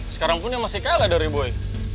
sekarang pun yang masih kalah dari boy